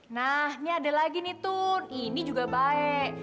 nah ini ada lagi nih tun ini juga baik